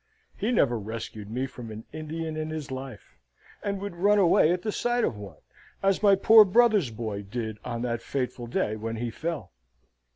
He never rescued me from an Indian in his life, and would run away at the sight of one, as my poor brother's boy did on that fatal day when he fell."